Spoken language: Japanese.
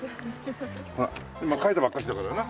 今書いたばっかしだからな。